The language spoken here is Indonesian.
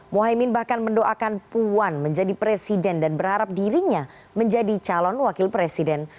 muhaymin bahkan mendoakan puan menjadi presiden dan berharap dirinya menjadi calon wakil presiden